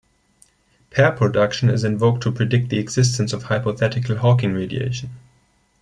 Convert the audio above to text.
Pair production is invoked to predict the existence of hypothetical Hawking radiation.